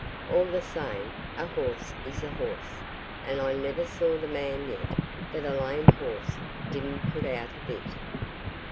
All the same, a horse is a horse, and I never saw the man yet that a lame horse didn't put out a bit.